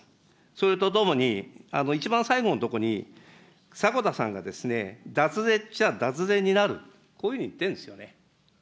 それとともに一番最後のところに、迫田さんが、脱税っちゃ脱税になる、こういうふうに言ってるんですよね。